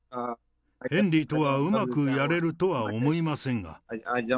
ヘンリーとはうまくやれるとは思いませんが。